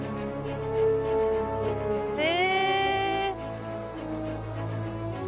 え。